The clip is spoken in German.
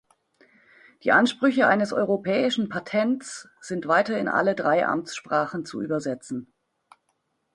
Die Ansprüche eines Europäischen Patents sind weiter in alle drei Amtssprachen zu übersetzen.